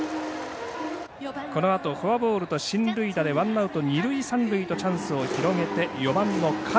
このあとフォアボールと進塁打でワンアウト、二塁三塁とチャンスを広げて４番の上。